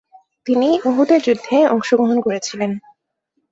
তিনি উহুদের যুদ্ধে অংশগ্রহণ করেছিলেন।